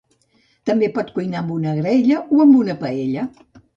També pot cuinar amb una graella o amb una paella.